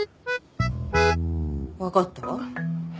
分かったわ。